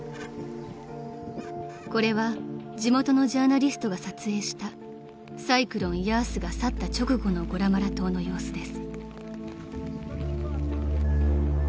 ［これは地元のジャーナリストが撮影したサイクロンヤースが去った直後のゴラマラ島の様子です］